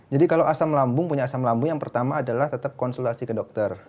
jadi kalo asam lambung punya asam lambung yang pertama adalah tetep konsultasi ke dokter